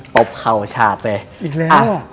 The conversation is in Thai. ปบเข่าชาติเลยอีกแล้ว